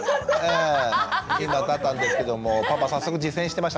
今立ったんですけどもパパ早速実践してましたね今ね。